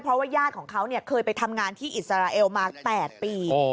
เพราะว่าญาติของเขาเคยไปทำงานที่อิสราเอลมา๘ปี